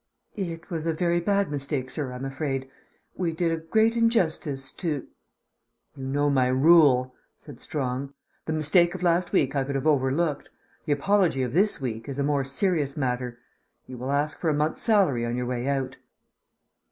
"It was a very bad mistake, sir, I'm afraid. We did a great injustice to " "You know my rule," said Strong. "The mistake of last week I could have overlooked. The apology of this week is a more serious matter. You will ask for a month's salary on your way out."